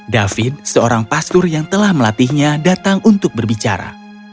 davin seorang pastur yang telah melatihnya datang untuk berbicara